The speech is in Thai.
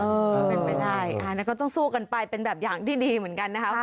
ก็เป็นไปได้แล้วก็ต้องสู้กันไปเป็นแบบอย่างที่ดีเหมือนกันนะครับ